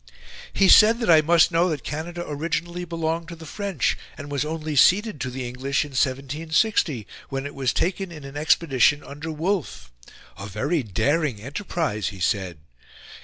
"He said that I must know that Canada originally belonged to the French, and was only ceded to the English in 1760, when it was taken in an expedition under Wolfe: 'a very daring enterprise,' he said.